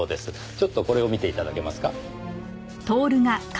ちょっとこれを見ていただけますか。